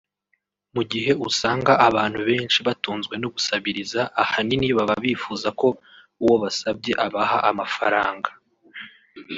Mu gihe usanga abantu benshi batunzwe no gusabiriza ahanini baba bifuza ko uwo basabye abaha amafaranga